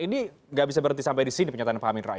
ini nggak bisa berhenti sampai di sini penyataan pak amin rais